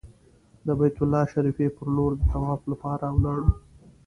د بیت الله شریفې پر لور د طواف لپاره ولاړو.